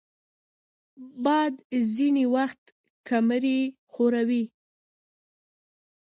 باد ځینې وخت کمرې ښوروي